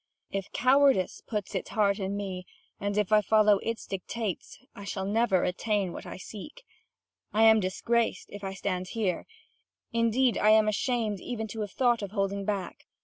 If cowardice puts its heart in me, and if I follow its dictates, I shall never attain what I seek. I am disgraced, if I stand here; indeed, I am ashamed even to have thought of holding back.